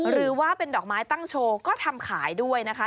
หรือว่าเป็นดอกไม้ตั้งโชว์ก็ทำขายด้วยนะคะ